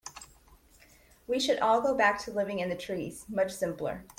We should all go back to living in the trees, much simpler.